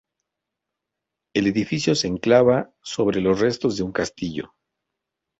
El edificio se enclava sobre los restos de un castillo.